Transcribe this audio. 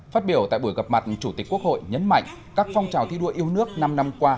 phát biểu tại buổi gặp mặt chủ tịch quốc hội nhấn mạnh các phong trào thi đua yêu nước năm năm qua